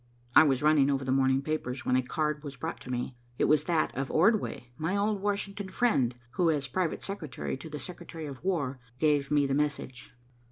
I was running over the morning papers when a card was brought to me. It was that of Ordway, my old Washington friend, who, as private secretary to the Secretary of War, gave me the message!